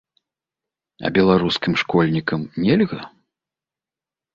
А беларускім школьнікам нельга?